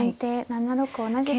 ７六同じく銀。